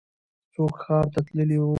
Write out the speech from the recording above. څوک ښار ته تللی و؟